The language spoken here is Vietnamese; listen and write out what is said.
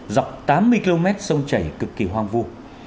dọc tám mươi km sông chảy cực kỳ hoang vu